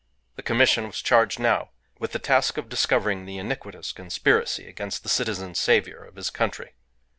The commission was charged now with the task of discovering the iniquitous conspiracy against the Citizen Saviour of his country.